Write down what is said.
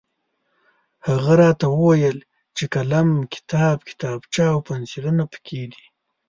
هغه راته وویل چې قلم، کتاب، کتابچه او پنسلونه پکې دي.